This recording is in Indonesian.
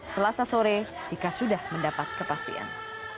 selasa sore jika sudah mendapat kepastian